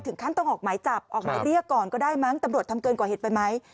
ทำไมต้องออกใหม่ริกก็ได้นะคะตำรวจต้องทำเกินกว่าเหตุไปไหม